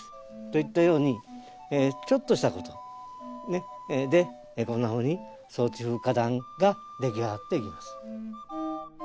といったようにちょっとしたことでこんなふうに草地風花壇ができ上がっていきます。